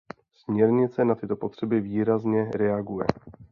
Směrnice na tyto potřeby vyváženě reaguje.